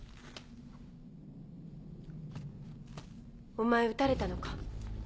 お前撃たれたのか。